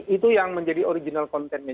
itu yang menjadi original contentnya